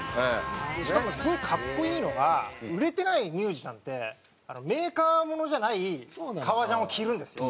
しかもすごい格好いいのが売れてないミュージシャンってメーカーものじゃない革ジャンを着るんですよ。